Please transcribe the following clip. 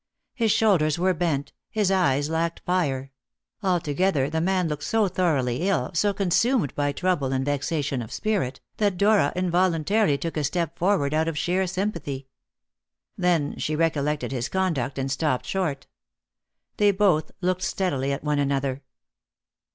His shoulders were bent, his eyes lacked fire; altogether the man looked so thoroughly ill, so consumed by trouble and vexation of spirit, that Dora involuntarily took a step forward out of sheer sympathy. Then she recollected his conduct, and stopped short. They both looked steadily at one another.